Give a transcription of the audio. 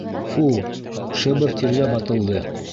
Фу-у, шыбыр тиргә батылды.